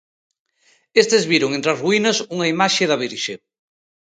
Estes viron entre as ruínas unha imaxe da Virxe.